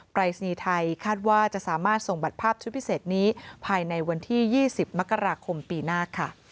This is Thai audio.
ปรายศนีย์ไทยคาดว่าจะสามารถส่งบัตรภาพชุดพิเศษนี้ภายในวันที่๒๐มกราคมปีหน้าค่ะ